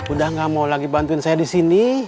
udah gak mau lagi bantuin saya disini